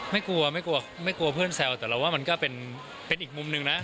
ไม่กลัวไม่กลัวไม่กลัวเพื่อนแซวแต่เราว่ามันก็เป็นอีกมุมหนึ่งนะ